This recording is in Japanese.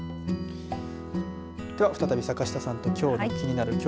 では、再び坂下さんときょうのキニナル！